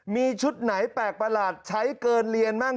มีชุดไหนแปลกประหลาดใช้เกินเรียนมั่ง